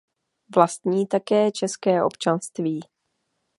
Vlastní také české občanství.